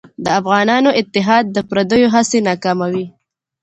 د افغانانو اتحاد د پرديو هڅې ناکاموي.